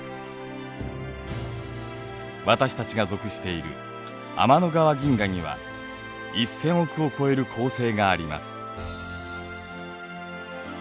私たちが属している天の川銀河には１，０００億を超える恒星があります。